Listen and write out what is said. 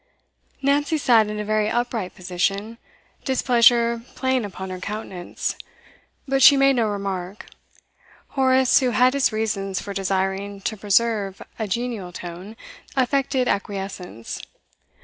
Nancy sat in a very upright position, displeasure plain upon her countenance. But she made no remark. Horace, who had his reasons for desiring to preserve a genial tone, affected acquiescence.